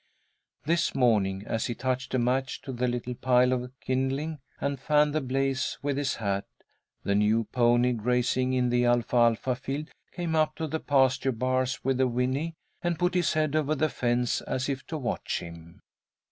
This morning, as he touched a match to the little pile of kindling, and fanned the blaze with his hat, the new pony, grazing in the alfalfa field, came up to the pasture bars with a whinny, and put his head over the fence, as if to watch him.